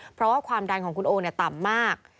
เพราะว่าความดันของคุณโอต่ำมาก